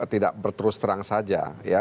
tidak berterus terang saja